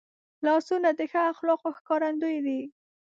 لاسونه د ښو اخلاقو ښکارندوی دي